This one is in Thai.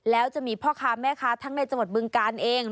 แล้วจะมีพ่อค้าแม่ค้าทั้งในจังหวัดบึงกาลเอง